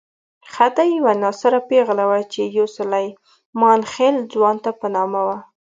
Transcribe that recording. خدۍ یوه ناصره پېغله وه چې يو سلیمان خېل ځوان ته په نامه وه.